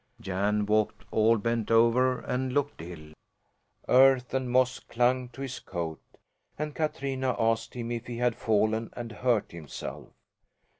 Jan walked all bent over, and looked ill. Earth and moss clung to his coat, and Katrina asked him if he had fallen and hurt himself.